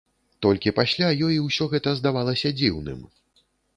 Толькі пасля ёй усё гэта здавалася дзіўным.